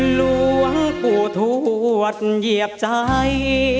หลวงปู่ทวดเหยียบใจ